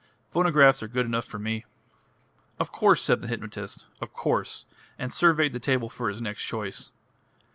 Phonographs are good enough for me." "Of course," said the hypnotist, "of course"; and surveyed the table for his next choice.